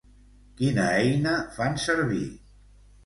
Quina eina fan servir?